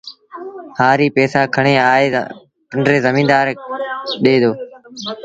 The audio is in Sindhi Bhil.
هآريٚ پئيٚسآ کڻي آئي پنڊري زميدآر ڏي دو